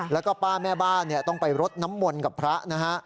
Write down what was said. แล้วก็ป้าแม่บ้านต้องไปรดน้ำมนต์กับพระนะฮะ